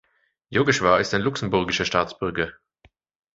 Yogeshwar ist luxemburgischer Staatsbürger.